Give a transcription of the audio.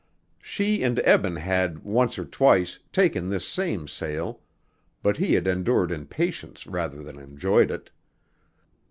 She and Eben had, once or twice, taken this same sail, but he had endured in patience rather than enjoyed it.